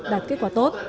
đạt kết quả tốt